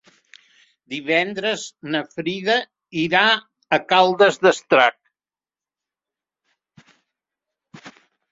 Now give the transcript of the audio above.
Divendres na Frida irà a Caldes d'Estrac.